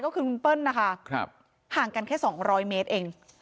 ก็คือคุณเปิ้ลนะคะห่างกันแค่๒๐๐เมตรเอง